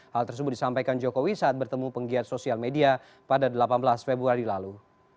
hal tersebut disampaikan jokowi saat bertemu penggiat sosial media pada delapan belas februari lalu